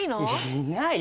いないよ